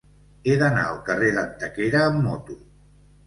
He d'anar al carrer d'Antequera amb moto.